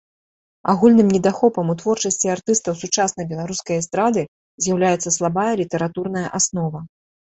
Агульным недахопам у творчасці артыстаў сучаснай беларускай эстрады з'яўляецца слабая літаратурная аснова.